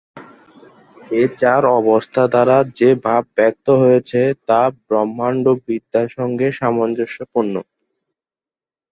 এ চার অবস্থা দ্বারা যে ভাব ব্যক্ত হয়েছে তা ব্রহ্মান্ডবিদ্যার সঙ্গে সামঞ্জস্যপূর্ণ।